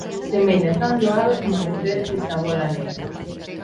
Semella tan doado como meter esa bóla negra.